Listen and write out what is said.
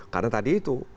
karena tadi itu